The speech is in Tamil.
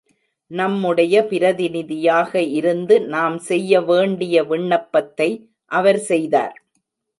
நம்முடைய பிரதிநிதியாக இருந்து நாம் செய்ய வேண்டிய விண்ணப்பத்தை அவர் செய்தார்.